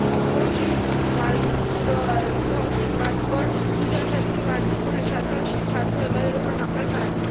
মহসিন মাদবর দুজন ছাত্রকে মারধর করলে সাধারণ ছাত্ররা তাঁদের ওপর হামলা চালায়।